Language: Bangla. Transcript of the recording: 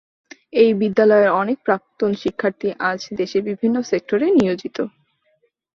এই বিদ্যালয়ের অনেক প্রাক্তন শিক্ষার্থী আজ দেশের বিভিন্ন সেক্টরে নিয়োজিত।